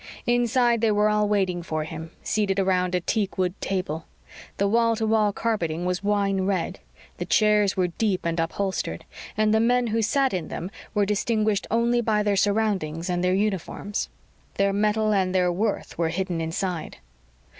Inside, they were all waiting for him, seated around a teakwood table. The wall to wall carpeting was wine red. The chairs were deep and upholstered. And the men who sat in them were distinguished only by their surroundings and their uniforms. Their metal and their worth were hidden inside.